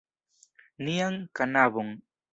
Nian knabon.